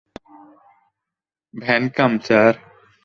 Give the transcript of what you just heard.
Vanakkam, sir.